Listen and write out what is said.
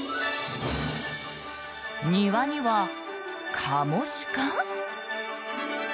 庭にはカモシカ？